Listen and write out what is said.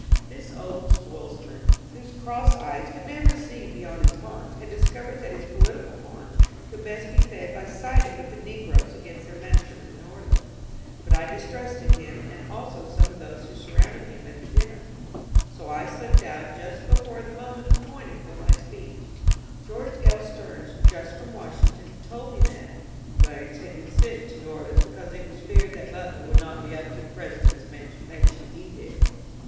This old spoilsman,^ whose cross eyes could never see beyond his paunch, had discovered that his political paunch could best be fed by siding^with the negroes against their masters in New Orleans. But I distrusted him and also some of those who surrounded him at the din ner; so I slipped out just before the moment appointed for my speech. George L. Steams, just from Washington, told me that ^^ Banks had been sent to New Orleans because it was feared that Butler would not be up to the President's Emanci pation Edict."